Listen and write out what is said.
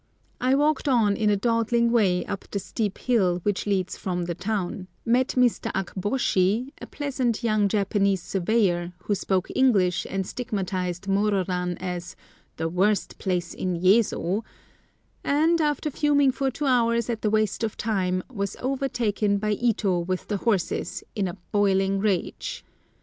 I walked on in a dawdling way up the steep hill which leads from the town, met Mr. Akboshi, a pleasant young Japanese surveyor, who spoke English and stigmatised Mororan as "the worst place in Yezo;" and, after fuming for two hours at the waste of time, was overtaken by Ito with the horses, in a boiling rage.